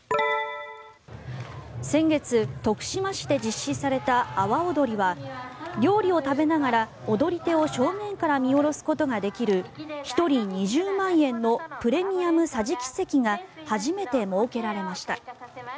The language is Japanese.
先月、徳島市で実施された阿波おどりは料理を食べながら踊り手を正面から見下ろすことができる１人２０万円のプレミアム桟敷席が初めて設けられました。